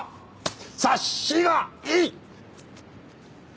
察しがいい！